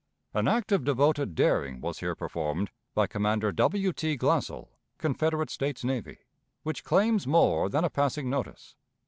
An act of devoted daring was here performed by Commander W. T. Glassell, Confederate States Navy, which claims more than a passing notice.